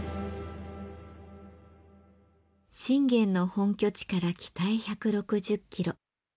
信玄の本拠地から北へ１６０キロ。